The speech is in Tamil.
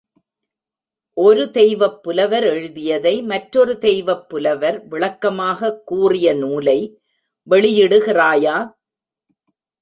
ஒரு தெய்வப் புலவர் எழுதியதை மற்றொரு தெய்வப் புலவர் விளக்கமாகக் கூறிய நூலை வெளியிடுகிறாயா?